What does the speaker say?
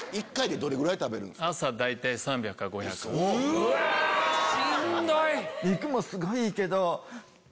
うわしんどい！